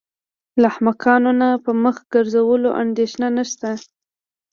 له احمقانو نه په مخ ګرځولو اندېښنه نشته.